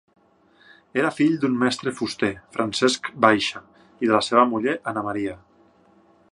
Era fill d'un mestre fuster, Francesc Baixa, i de la seva muller Anna Maria.